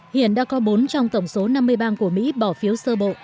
hiện đã có bốn trong tổng số năm mươi bang của mỹ bỏ phiếu sơ bộ